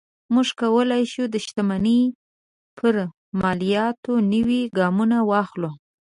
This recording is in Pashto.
موږ کولی شو د شتمنۍ پر مالیاتو نوي ګامونه واخلو.